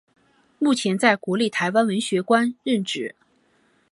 目前在国立台湾文学馆任职。